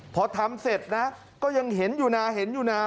พอทำเสร็จนะก็ยังเห็นอยู่นะเห็นอยู่นะ